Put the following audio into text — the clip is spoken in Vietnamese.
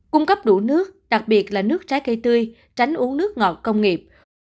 cung cấp đủ nước đặc biệt là nước trái cây tươi tránh uống nước ngọt công nghiệp